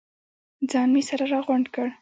ځان مې سره راغونډ کړ.